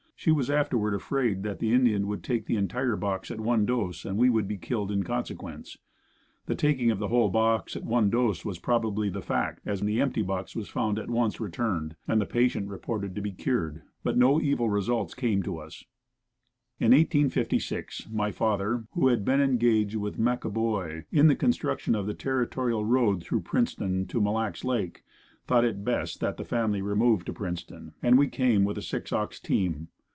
She was afterward afraid that the Indian would take the entire box at one dose and we would be killed in consequence. The taking of the whole box at one dose was probably the fact, as the empty box was at once returned and the patient reported to be cured, but no evil results came to us. In 1856 my father, who had been engaged with McAboy in the construction of the Territorial road through Princeton to Mille Lacs Lake, thought it best that the family remove to Princeton and we came with a six ox team.